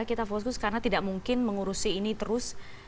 kita fokus karena tidak mungkin mengurusi ini terus